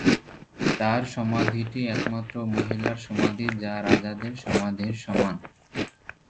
তাঁর সমাধিটি একমাত্র মহিলার সমাধি যা রাজাদের সমাধির সমান।